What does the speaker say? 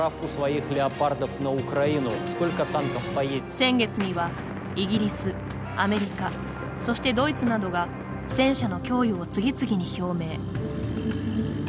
先月には、イギリス、アメリカそしてドイツなどが戦車の供与を次々に表明。